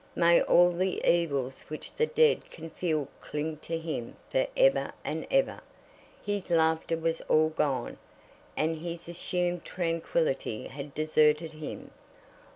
"May all the evils which the dead can feel cling to him for ever and ever!" His laughter was all gone, and his assumed tranquillity had deserted him.